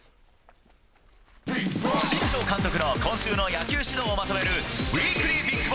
新庄監督の今週の野球指導をまとめるウィークリー